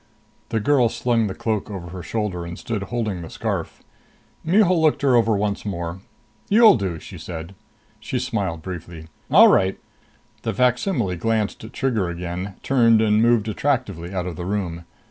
The girl slung the cloak over her shoulder and stood holding the scarf. Mihul looked her over once more. "You'll do," she said. She smiled briefly. "All right." The facsimile glanced at Trigger again, turned and moved attractively out of the room.